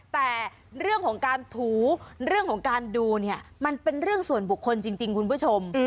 แต่เรื่องของการถูเรื่องของการดูเนี่ยมันเป็นเรื่องส่วนบุคคลจริงคุณผู้ชม